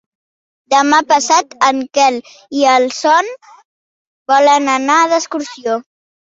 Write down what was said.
Demà passat en Quel i en Sol volen anar d'excursió.